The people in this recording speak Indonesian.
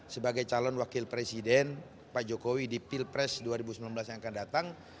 sebagai calon wakil presiden pak jokowi di pilpres dua ribu sembilan belas yang akan datang